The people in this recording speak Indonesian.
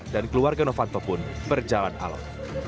dan keluarga novanto pun berjalan alam